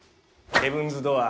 ヘブンズ・ドアー。